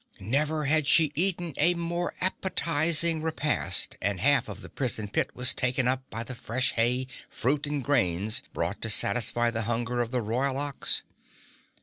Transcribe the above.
Never had she eaten a more appetizing repast and half of the prison pit was taken up by the fresh hay, fruit and grains brought to satisfy the hunger of the Royal Ox.